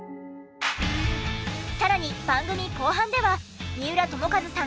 さらに番組後半では三浦友和さん